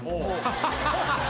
ハハハハ。